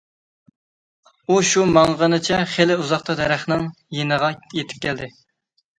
ئۇ شۇ ماڭغىنىچە خېلى ئۇزاقتا دەرەخنىڭ يېنىغا يېتىپ كەلدى.